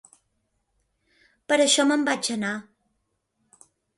Per això me'n vaig anar.